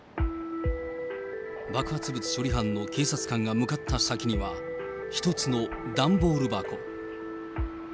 爆発物処理班の警察官が向かった先には、１つの段ボール箱。